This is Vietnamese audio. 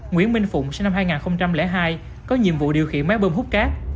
nguyễn minh phụng sinh năm hai nghìn hai có nhiệm vụ điều khiển máy bơm hút cát